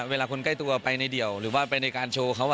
คนใกล้ตัวไปในเดี่ยวหรือว่าไปในการโชว์เขา